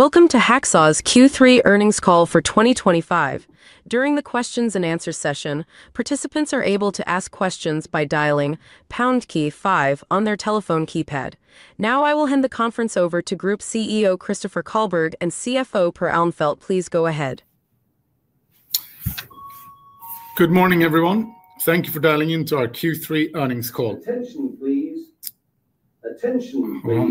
Welcome to Hacksaw's Q3 Earnings Call for 2025. During the Q&A session, participants are able to ask questions by dialing pound key five on their telephone keypad. Now, I will hand the conference over to Group CEO Christoffer Källberg and CFO Per Alnefelt. Please go ahead. Good morning, everyone. Thank you for dialing in to our Q3 Earnings Call. Attention, please. Hello?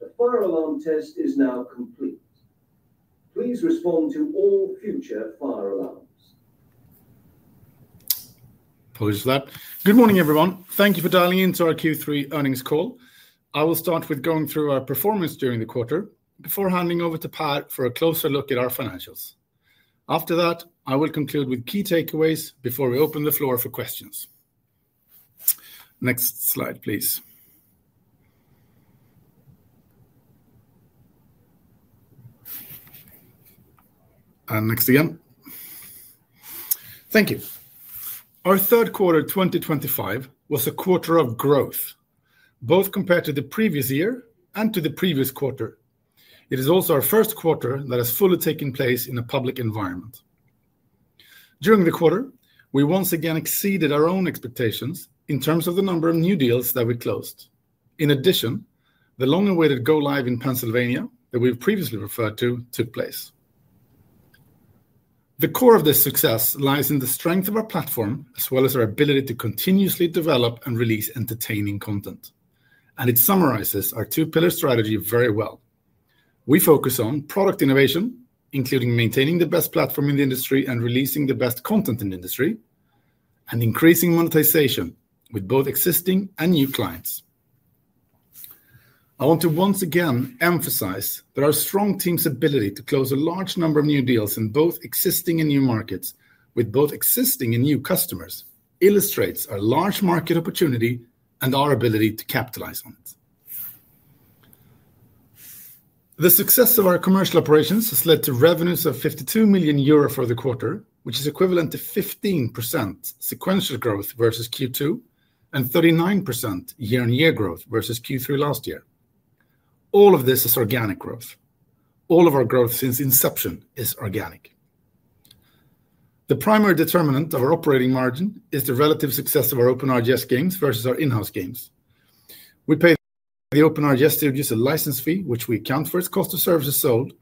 The fire alarm test is now complete. Please respond to all future fire alarms. Apologies for that. Good morning, everyone. Thank you for dialing in to our Q3 earnings call. I will start with going through our performance during the quarter before handing over to Per for a closer look at our financials. After that, I will conclude with key takeaways before we open the floor for questions. Next slide, please. Next again. Thank you. Our third quarter 2025 was a quarter of growth, both compared to the previous year and to the previous quarter. It is also our first quarter that has fully taken place in a public environment. During the quarter, we once again exceeded our own expectations in terms of the number of new deals that we closed. In addition, the long-awaited go-live in Pennsylvania that we've previously referred to took place. The core of this success lies in the strength of our platform, as well as our ability to continuously develop and release entertaining content. It summarizes our two-pillar strategy very well. We focus on product innovation, including maintaining the best platform in the industry and releasing the best content in the industry, and increasing monetization with both existing and new clients. I want to once again emphasize that our strong team's ability to close a large number of new deals in both existing and new markets, with both existing and new customers, illustrates our large market opportunity and our ability to capitalize on it. The success of our commercial operations has led to revenues of 52 million euro for the quarter, which is equivalent to 15% sequential growth versus Q2 and 39% year-on-year growth versus Q3 last year. All of this is organic growth. All of our growth since inception is organic. The primary determinant of our operating margin is the relative success of our open RGS games versus our in-house games. We pay the open RGS to reduce the license fee, which we account for as cost of services sold.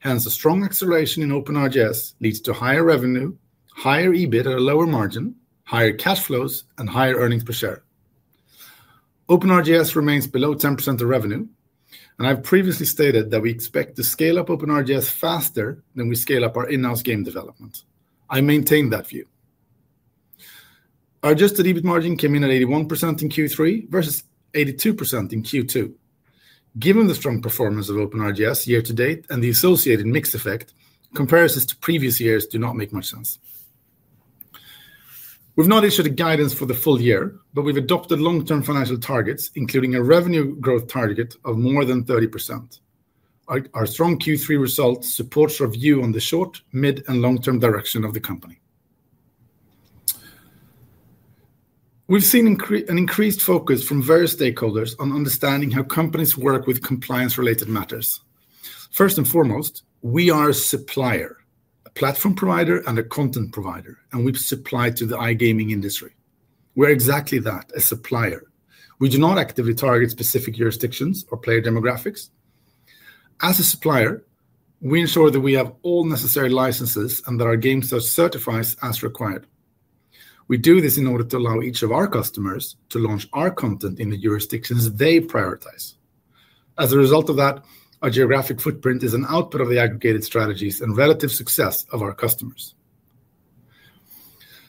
Hence, a strong acceleration in open RGS leads to higher revenue, higher EBIT at a lower margin, higher cash flows, and higher earnings per share. Open RGS remains below 10% of revenue, and I've previously stated that we expect to scale up open RGS faster than we scale up our in-house game development. I maintain that view. Our adjusted EBIT margin came in at 81% in Q3 versus 82% in Q2. Given the strong performance of open RGS year-to-date and the associated mix effect, comparisons to previous years do not make much sense. We've not issued guidance for the full year, but we've adopted long-term financial targets, including a revenue growth target of more than 30%. Our strong Q3 results support our view on the short, mid, and long-term direction of the company. We've seen an increased focus from various stakeholders on understanding how companies work with compliance-related matters. First and foremost, we are a supplier, a platform provider, and a content provider, and we supply to the iGaming industry. We're exactly that: a supplier. We do not actively target specific jurisdictions or player demographics. As a supplier, we ensure that we have all necessary licenses and that our games are certified as required. We do this in order to allow each of our customers to launch our content in the jurisdictions they prioritize. As a result of that, our geographic footprint is an output of the aggregated strategies and relative success of our customers.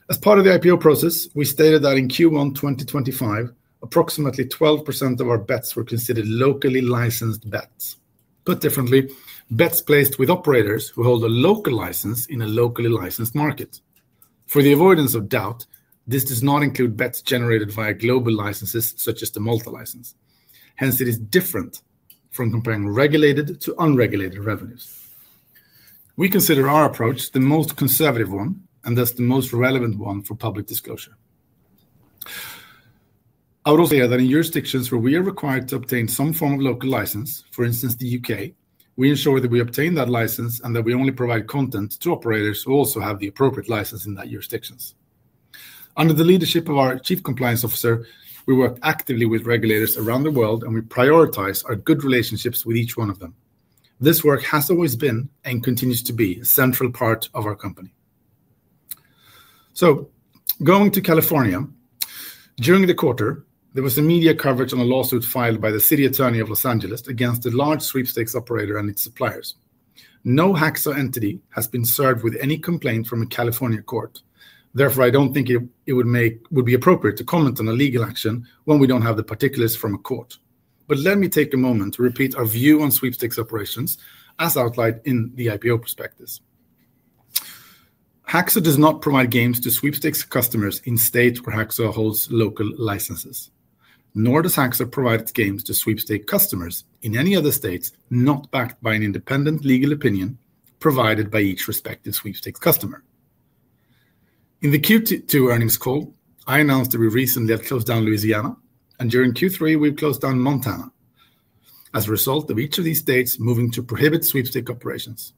As part of the IPO process, we stated that in Q1 2025, approximately 12% of our bets were considered locally licensed bets. Put differently, bets placed with operators who hold a local license in a locally licensed market. For the avoidance of doubt, this does not include bets generated via global licenses, such as the multi-license. Hence, it is different from comparing regulated to unregulated revenues. We consider our approach the most conservative one and thus the most relevant one for public disclosure. I would also say that in jurisdictions where we are required to obtain some form of local license, for instance, the U.K., we ensure that we obtain that license and that we only provide content to operators who also have the appropriate license in that jurisdiction. Under the leadership of our Chief Compliance Officer, we work actively with regulators around the world, and we prioritize our good relationships with each one of them. This work has always been and continues to be a central part of our company. Going to California, during the quarter, there was immediate coverage on a lawsuit filed by the City Attorney of Los Angeles against a large sweepstakes operator and its suppliers. No Hacksaw entity has been served with any complaint from a California court. Therefore, I do not think it would be appropriate to comment on a legal action when we do not have the particulars from a court. Let me take a moment to repeat our view on sweepstakes operations, as outlined in the IPO prospectus. Hacksaw does not provide games to sweepstakes customers in states where Hacksaw holds local licenses, nor does Hacksaw provide its games to sweepstakes customers in any other states not backed by an independent legal opinion provided by each respective sweepstakes customer. In the Q2 earnings call, I announced that we recently had closed down Louisiana, and during Q3, we have closed down Montana, as a result of each of these states moving to prohibit sweepstakes operations.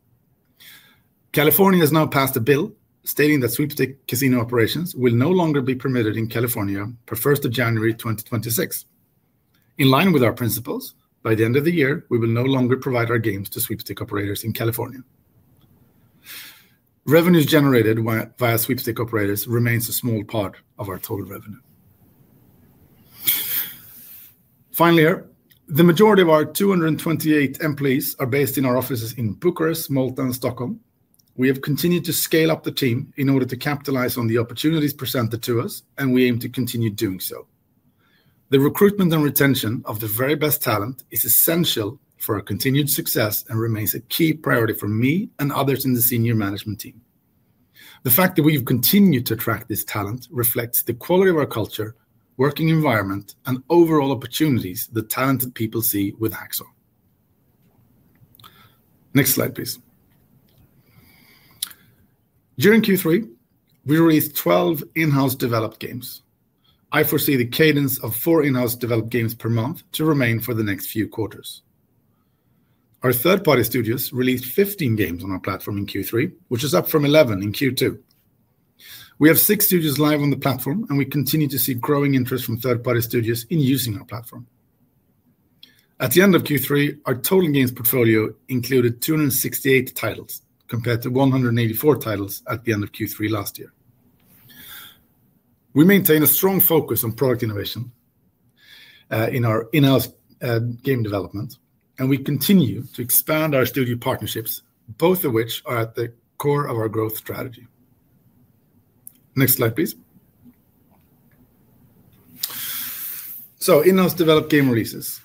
California has now passed a bill stating that sweepstakes casino operations will no longer be permitted in California per 1st January 2026. In line with our principles, by the end of the year, we will no longer provide our games to sweepstakes operators in California. Revenues generated via sweepstakes operators remain a small part of our total revenue. Finally, the majority of our 228 employees are based in our offices in Bucharest, Malta, and Stockholm. We have continued to scale up the team in order to capitalize on the opportunities presented to us, and we aim to continue doing so. The recruitment and retention of the very best talent is essential for our continued success and remains a key priority for me and others in the senior management team. The fact that we've continued to attract this talent reflects the quality of our culture, working environment, and overall opportunities that talented people see with Hacksaw. Next slide, please. During Q3, we released 12 in-house developed games. I foresee the cadence of four in-house developed games per month to remain for the next few quarters. Our third-party studios released 15 games on our platform in Q3, which is up from 11 in Q2. We have six studios live on the platform, and we continue to see growing interest from third-party studios in using our platform. At the end of Q3, our total games portfolio included 268 titles, compared to 184 titles at the end of Q3 last year. We maintain a strong focus on product innovation in our in-house game development, and we continue to expand our studio partnerships, both of which are at the core of our growth strategy. Next slide, please. In-house developed game releases.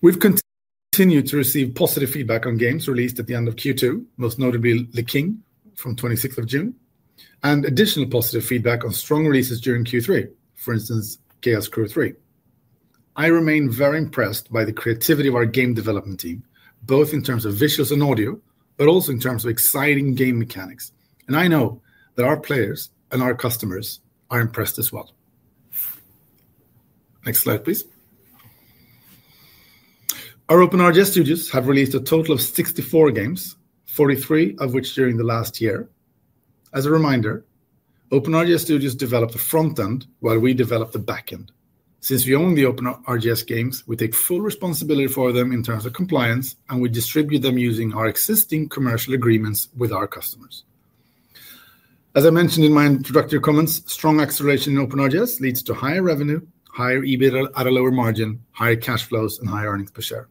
We've continued to receive positive feedback on games released at the end of Q2, most notably The King from 26 th of June, and additional positive feedback on strong releases during Q3, for instance, Chaos Crew 3. I remain very impressed by the creativity of our game development team, both in terms of visuals and audio, but also in terms of exciting game mechanics. I know that our players and our customers are impressed as well. Next slide, please. Our open RGS studios have released a total of 64 games, 43 of which during the last year. As a reminder, open RGS studios develop the front end while we develop the back end. Since we own the open RGS games, we take full responsibility for them in terms of compliance, and we distribute them using our existing commercial agreements with our customers. As I mentioned in my introductory comments, strong acceleration in open RGS leads to higher revenue, higher EBIT at a lower margin, higher cash flows, and higher earnings per share.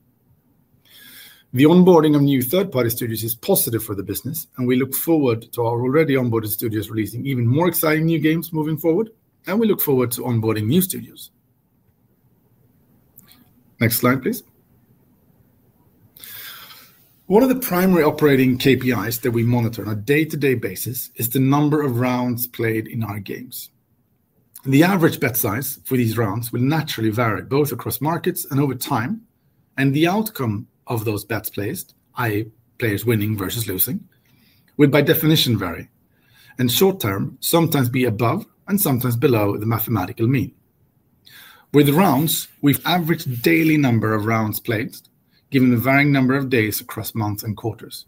The onboarding of new third-party studios is positive for the business, and we look forward to our already onboarded studios releasing even more exciting new games moving forward, and we look forward to onboarding new studios. Next slide, please. One of the primary operating KPIs that we monitor on a day-to-day basis is the number of rounds played in our games. The average bet size for these rounds will naturally vary both across markets and over time, and the outcome of those bets placed, i.e., players winning versus losing, will by definition vary and short-term sometimes be above and sometimes below the mathematical mean. With rounds, we average the daily number of rounds played, given the varying number of days across months and quarters.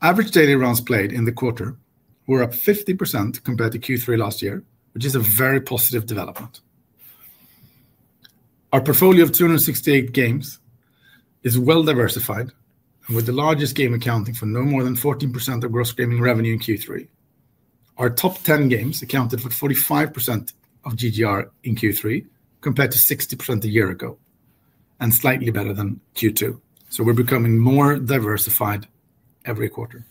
Average daily rounds played in the quarter were up 50% compared to Q3 last year, which is a very positive development. Our portfolio of 268 games is well-diversified, with the largest game accounting for no more than 14% of gross gaming revenue in Q3. Our top 10 games accounted for 45% of GGR in Q3, compared to 60% a year ago, and slightly better than Q2. We are becoming more diversified every quarter.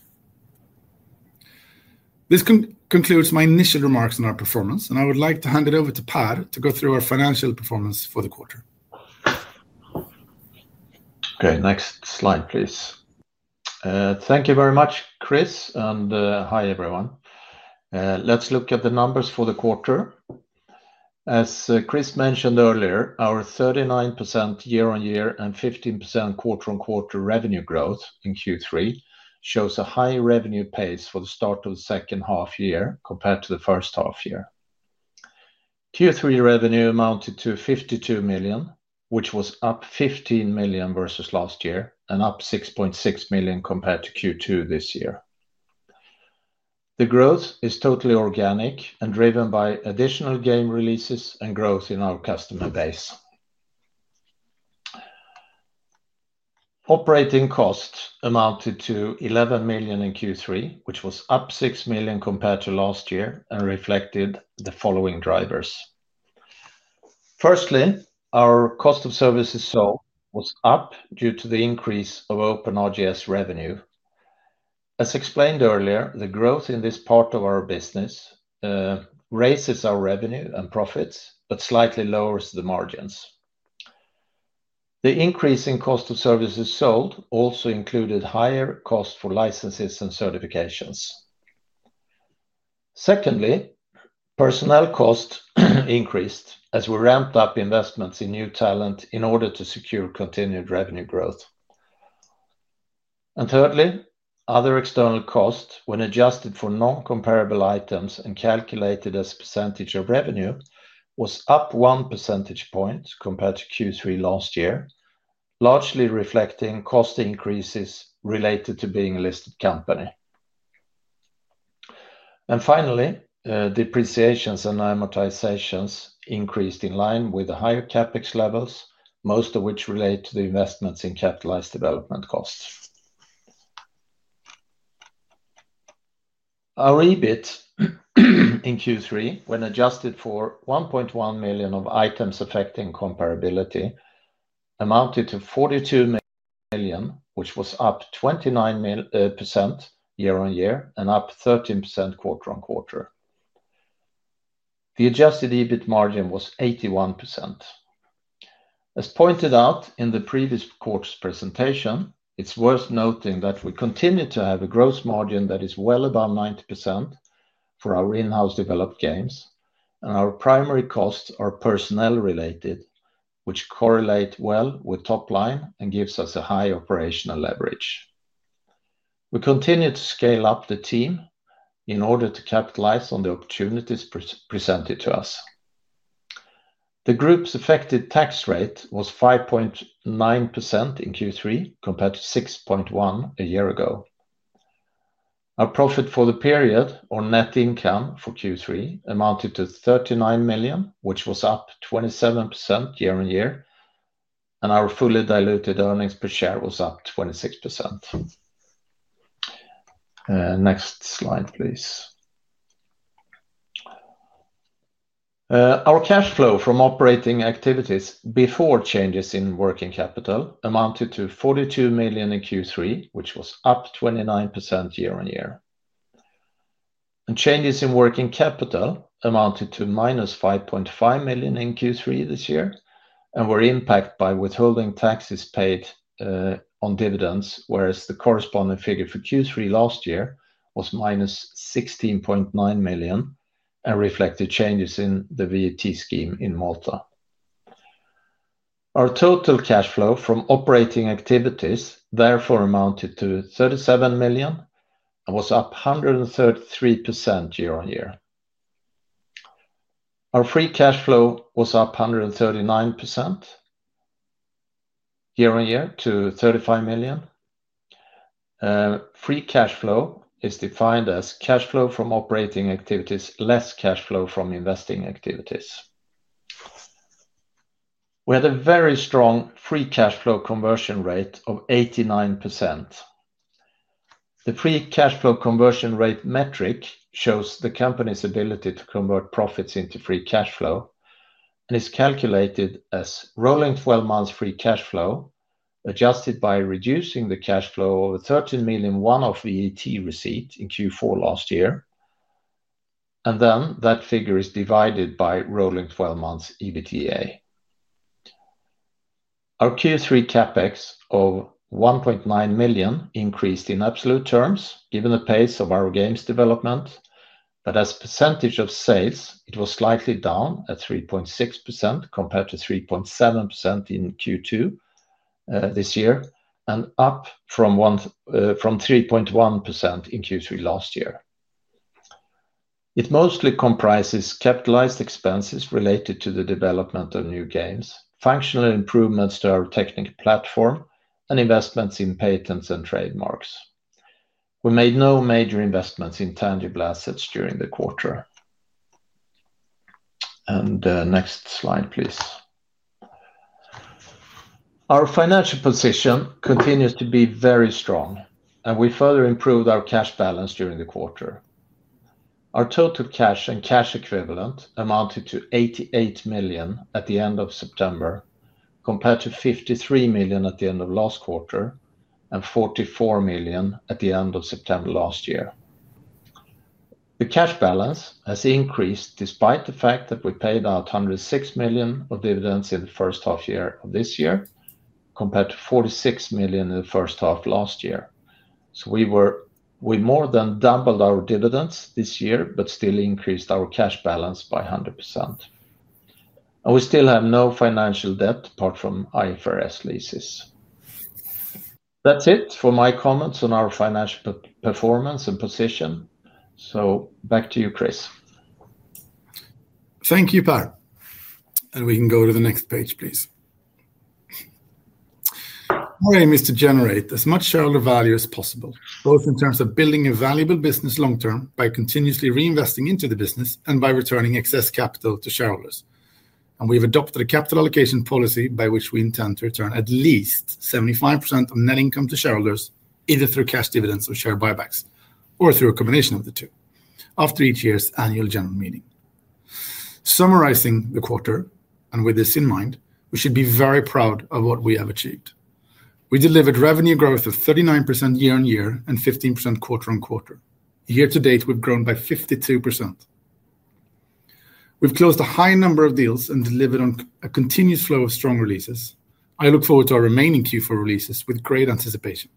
This concludes my initial remarks on our performance, and I would like to hand it over to Per to go through our financial performance for the quarter. Okay. Next slide, please. Thank you very much, Chris, and hi, everyone. Let's look at the numbers for the quarter. As Chris mentioned earlier, our 39% year-on-year and 15% quarter-on-quarter revenue growth in Q3 shows a high revenue pace for the start of the second half year compared to the first half year. Q3 revenue amounted to 52 million, which was up 15 million versus last year and up 6.6 million compared to Q2 this year. The growth is totally organic and driven by additional game releases and growth in our customer base. Operating costs amounted to 11 million in Q3, which was up 6 million compared to last year and reflected the following drivers. Firstly, our cost of services sold was up due to the increase of open RGS revenue. As explained earlier, the growth in this part of our business raises our revenue and profits but slightly lowers the margins. The increase in cost of services sold also included higher costs for licenses and certifications. Secondly, personnel costs increased as we ramped up investments in new talent in order to secure continued revenue growth. Thirdly, other external costs, when adjusted for non-comparable items and calculated as a percentage of revenue, were up 1 percentage point compared to Q3 last year, largely reflecting cost increases related to being a listed company. Finally, depreciations and amortizations increased in line with the higher CapEx levels, most of which relate to the investments in capitalized development costs. Our EBIT in Q3, when adjusted for 1.1 million of items affecting comparability, amounted to 42 million, which was up 29% year-on-year and up 13% quarter-on-quarter. The adjusted EBIT margin was 81%. As pointed out in the previous quarter's presentation, it's worth noting that we continue to have a gross margin that is well above 90% for our in-house developed games, and our primary costs are personnel-related, which correlate well with top line and give us a high operational leverage. We continue to scale up the team in order to capitalize on the opportunities presented to us. The group's effective tax rate was 5.9% in Q3 compared to 6.1% a year ago. Our profit for the period, or net income for Q3, amounted to 39 million, which was up 27% year-on-year, and our fully diluted earnings per share was up 26%. Next slide, please. Our cash flow from operating activities before changes in working capital amounted to 42 million in Q3, which was up 29% year-on-year. Changes in working capital amounted to minus 5.5 million in Q3 this year and were impacted by withholding taxes paid on dividends, whereas the corresponding figure for Q3 last year was minus 16.9 million and reflected changes in the VAT scheme in Malta. Our total cash flow from operating activities therefore amounted to 37 million and was up 133% year-on-year. Our free cash flow was up 139% year-on-year to 35 million. Free cash flow is defined as cash flow from operating activities less cash flow from investing activities. We had a very strong free cash flow conversion rate of 89%. The free cash flow conversion rate metric shows the company's ability to convert profits into free cash flow and is calculated as rolling 12-month free cash flow adjusted by reducing the cash flow of 13 million one-off VAT receipt in Q4 last year. That figure is divided by rolling 12-month EBITDA. Our Q3 CapEx of 1.9 million increased in absolute terms given the pace of our games development, but as a percentage of sales, it was slightly down at 3.6% compared to 3.7% in Q2 this year and up from 3.1% in Q3 last year. It mostly comprises capitalized expenses related to the development of new games, functional improvements to our technical platform, and investments in Perents and trademarks. We made no major investments in tangible assets during the quarter. Next slide, please. Our financial position continues to be very strong, and we further improved our cash balance during the quarter. Our total cash and cash equivalent amounted to 88 million at the end of September compared to 53 million at the end of last quarter and 44 million at the end of September last year. The cash balance has increased despite the fact that we paid out 106 million of dividends in the first half year of this year compared to 46 million in the first half last year. We more than doubled our dividends this year but still increased our cash balance by 100%. We still have no financial debt apart from IFRS leases. That is it for my comments on our financial performance and position. Back to you, Chris. Thank you, Per. We can go to the next page, please. Our aim is to generate as much shareholder value as possible, both in terms of building a valuable business long-term by continuously reinvesting into the business and by returning excess capital to shareholders. We have adopted a capital allocation policy by which we intend to return at least 75% of net income to shareholders, either through cash dividends or share buybacks, or through a combination of the two after each year's annual general meeting. Summarizing the quarter, and with this in mind, we should be very proud of what we have achieved. We delivered revenue growth of 39% year-on-year and 15% quarter-on-quarter. Year-to-date, we have grown by 52%. We have closed a high number of deals and delivered on a continuous flow of strong releases. I look forward to our remaining Q4 releases with great anticipaton.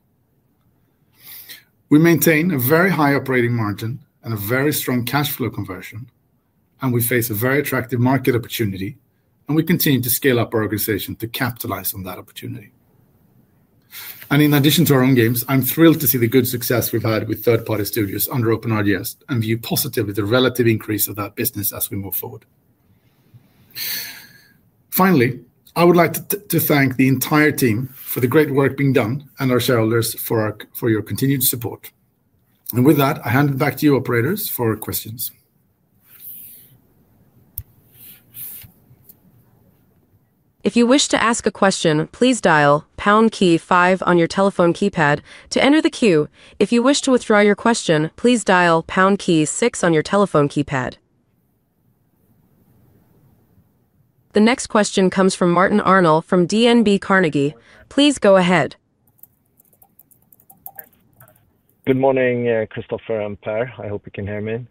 We maintain a very high operating margin and a very strong cash flow conversion, and we face a very attractive market opportunity, and we continue to scale up our organization to capitalize on that opportunity. In addition to our own games, I am thrilled to see the good success we have had with third-party studios under open RGS and view positively the relative increase of that business as we move forward. Finally, I would like to thank the entire team for the great work being done and our shareholders for your continued support. With that, I hand it back to you, operators, for questions. If you wish to ask a question, please dial pound key five on your telephone keypad to enter the queue. If you wish to withdraw your question, please dial pound key six on your telephone keypad. The next question comes from Martin Arnold from DNB Carnegie. Please go ahead. Good morning, Christoffer and Per. I hope you can hear me.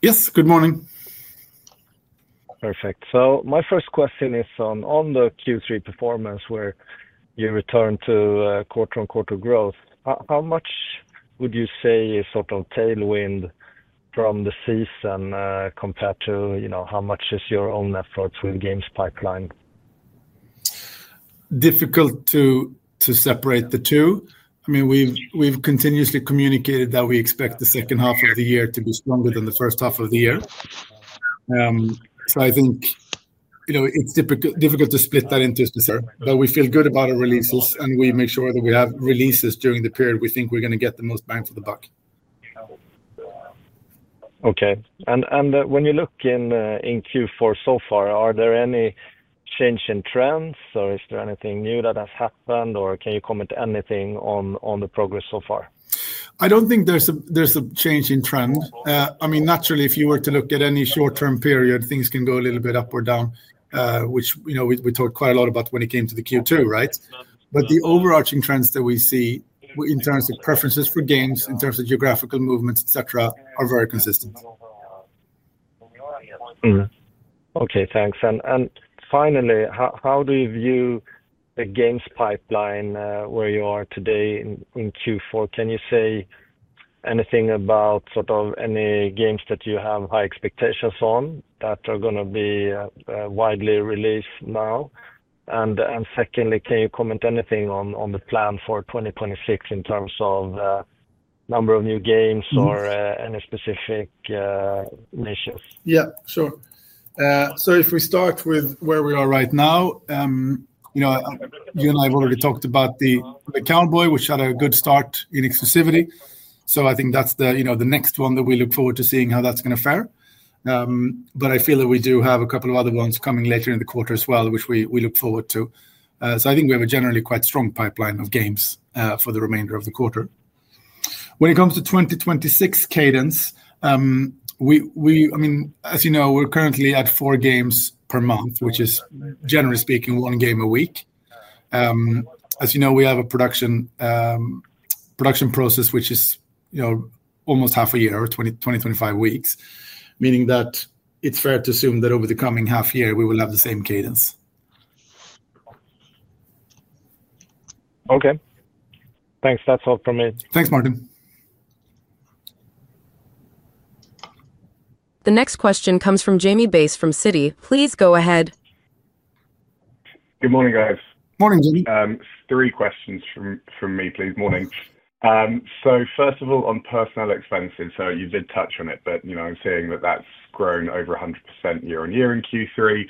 Yes, good morning. Perfect. My first question is on the Q3 performance where you returned to quarter-on-quarter growth. How much would you say is sort of tailwind from the season compared to how much is your own efforts with games pipeline? Difficult to separate the two. I mean, we've continuously communicated that we expect the second half of the year to be stronger than the first half of the year. I think it's difficult to split that into. We feel good about our releases, and we make sure that we have releases during the period we think we're going to get the most bang for the buck. Okay. When you look in Q4 so far, are there any change in trends, or is there anything new that has happened, or can you comment anything on the progress so far? I don't think there's a change in trend. I mean, naturally, if you were to look at any short-term period, things can go a little bit up or down, which we talked quite a lot about when it came to the Q2, right? The overarching trends that we see in terms of preferences for games, in terms of geographical movements, etc., are very consistent. Okay, thanks. Finally, how do you view the games pipeline where you are today in Q4? Can you say anything about sort of any games that you have high expectations on that are going to be widely released now? Secondly, can you comment anything on the plan for 2026 in terms of the number of new games or any specific initiatives? Yeah, sure. If we start with where we are right now. You and I have already talked about the Cowboy, which had a good start in exclusivity. I think that's the next one that we look forward to seeing how that's going to fare. I feel that we do have a couple of other ones coming later in the quarter as well, which we look forward to. I think we have a generally quite strong pipeline of games for the remainder of the quarter. When it comes to 2026 cadence, as you know, we're currently at four games per month, which is, generally speaking, one game a week. As you know, we have a production process which is almost half a year or 25 weeks, meaning that it's fair to assume that over the coming half year, we will have the same cadence. Okay. Thanks. That's all from me. Thanks, Martin. The next question comes from Jamie Bass from Citi. Please go ahead. Good morning, guys. Morning, Jamie. Three questions from me, please. Morning. First of all, on personnel expenses. You did touch on it, but I'm seeing that that's grown over 100% year-on-year in Q3.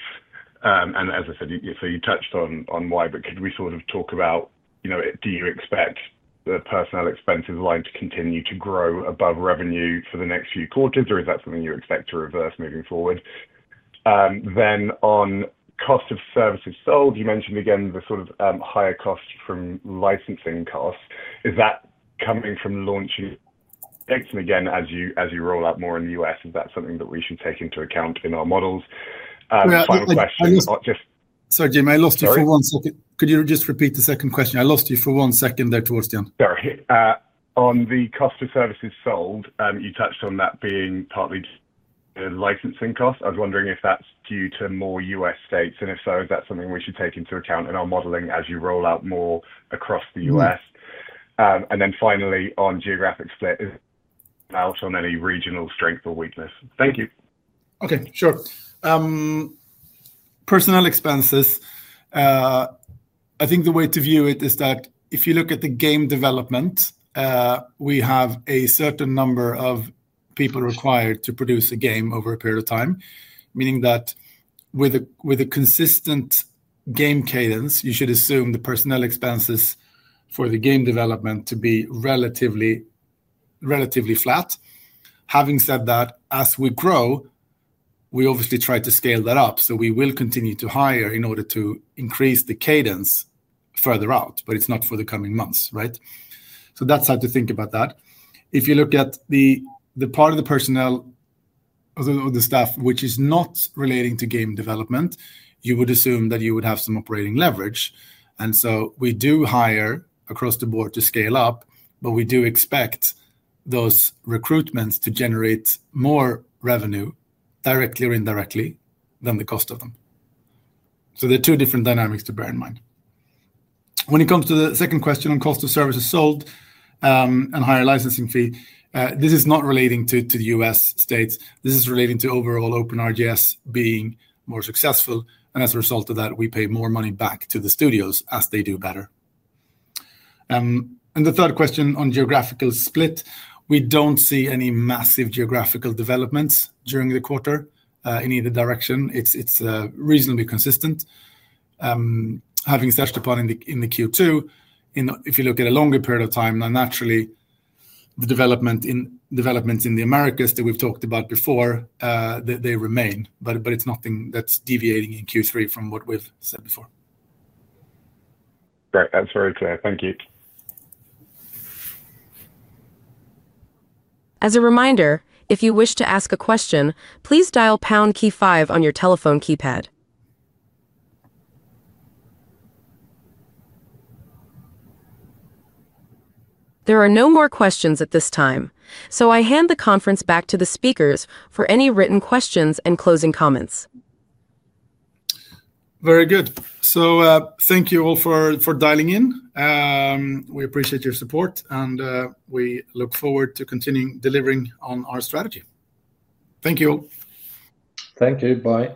As I said, you touched on why, but could we sort of talk about, do you expect the personnel expenses line to continue to grow above revenue for the next few quarters, or is that something you expect to reverse moving forward? On cost of services sold, you mentioned again the higher cost from licensing costs. Is that coming from launching? As you roll out more in the U.S., is that something that we should take into account in our models? Final question. Sorry, Jamie, I lost you for one second. Could you just repeat the second question? I lost you for one second there, towards the end. Sorry. On the cost of services sold, you touched on that being partly licensing costs. I was wondering if that's due to more U.S. states, and if so, is that something we should take into account in our modeling as you roll out more across the U.S.? Finally, on geographic split, is it out on any regional strength or weakness? Thank you. Okay, sure. Personnel expenses. I think the way to view it is that if you look at the game development, we have a certain number of people required to produce a game over a period of time, meaning that with a consistent game cadence, you should assume the personnel expenses for the game development to be relatively flat. Having said that, as we grow, we obviously try to scale that up. We will continue to hire in order to increase the cadence further out, but it's not for the coming months, right? That's how to think about that. If you look at the part of the personnel, of the staff which is not relating to game development, you would assume that you would have some operating leverage. We do hire across the board to scale up, but we do expect those recruitments to generate more revenue directly or indirectly than the cost of them. There are two different dynamics to bear in mind. When it comes to the second question on cost of services sold and higher licensing fee, this is not relating to the U.S. states. This is relating to overall open RGS being more successful, and as a result of that, we pay more money back to the studios as they do better. The third question on geographical split, we do not see any massive geographical developments during the quarter in either direction. It's reasonably consistent. Having touched upon in the Q2, if you look at a longer period of time, then naturally the developments in the Americas that we've talked about before, they remain, but it's nothing that's deviating in Q3 from what we've said before. That's very clear. Thank you. As a reminder, if you wish to ask a question, please dial pound key five on your telephone keypad. There are no more questions at this time, so I hand the conference back to the speakers for any written questions and closing comments. Very good. Thank you all for dialing in. We appreciate your support, and we look forward to continuing delivering on our strategy. Thank you all. Thank you. Bye.